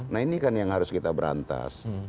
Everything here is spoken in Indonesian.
nah ini kan yang harus kita berantas